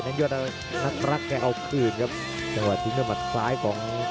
สนทำได้ดีก็บอกจะให้ฟันอาราช